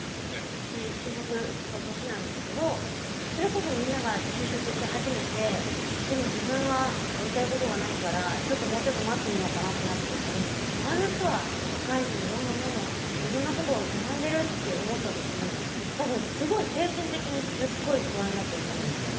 私就職の年なんですけどそれこそみんなが就職し始めてでも自分はやりたいことがないからもうちょっと待ってみようかなってなった時に周りの人は社会人でどんどんどんどんいろんなことを学んでるって思った時に多分すごい精神的にすっごい不安だと思うんですよ。